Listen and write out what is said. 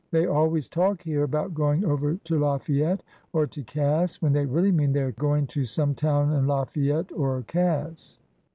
" They always talk here about going over to Lafayette or to Cass when they really mean they are going to some town in Lafayette or Cass."